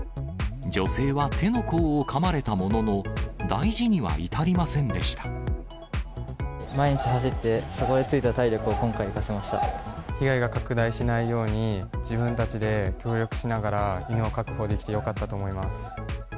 女性は手の甲をかまれたものの、毎日走って、そこでついた体被害が拡大しないように、自分たちで協力しながら犬を確保できてよかったと思います。